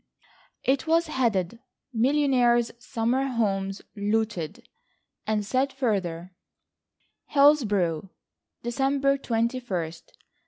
It was headed: "Millionaires' Summer Homes Looted," and said further: "Hillsborough, December 21st.